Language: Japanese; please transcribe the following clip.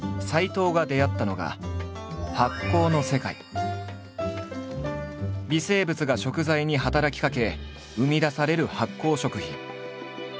藤が出会ったのが微生物が食材に働きかけ生み出される発酵食品。